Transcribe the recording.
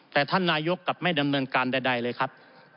แต่ท่านนายกกลับไม่ดำเนินการใดเลยครับ